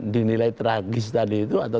dinilai tragis tadi itu atau